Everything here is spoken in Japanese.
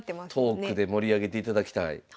トークで盛り上げていただきたい。